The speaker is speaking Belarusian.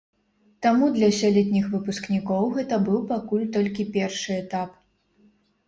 Таму для сёлетніх выпускнікоў гэта быў пакуль толькі першы этап.